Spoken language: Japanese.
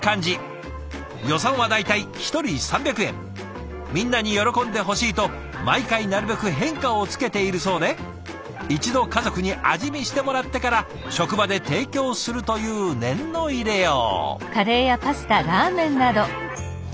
予算は大体１人３００円みんなに喜んでほしいと毎回なるべく変化をつけているそうで一度家族に味見してもらってから職場で提供するという念の入れよう。